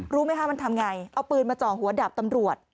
รู้ไหมคะมันทำไงเอาปืนมาจ่อหัวดาบตำรวจ